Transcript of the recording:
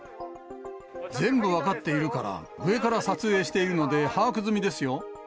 全部分かっているから、上から撮影しているので把握済みですよ。